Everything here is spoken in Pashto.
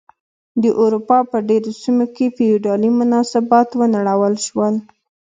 د اروپا په ډېرو سیمو کې فیوډالي مناسبات ونړول شول.